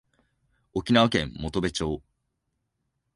沖縄県本部町